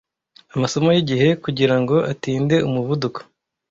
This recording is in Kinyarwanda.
Amasomo yigihe kugirango atinde umuvuduko,